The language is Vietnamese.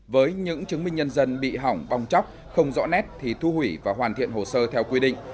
với những chứng minh nhân dân bị hỏng bong chóc không rõ nét thì thu hủy và hoàn thiện hồ sơ theo quy định